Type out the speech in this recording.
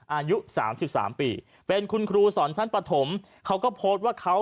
อายุสามสิบสามปีเป็นคุณครูสอนชั้นปฐมเขาก็โพสต์ว่าเขา